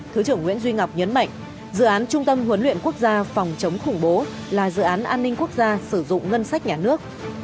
thứ trưởng nguyễn duy ngọc nhấn mạnh dự án trung tâm huấn luyện quốc gia phòng chống khủng bố là dự án an ninh quốc gia sử dụng ngân sách nhà nước